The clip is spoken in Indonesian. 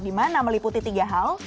dimana meliputi tiga hal